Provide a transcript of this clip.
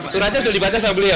suratnya sudah dibaca sama beliau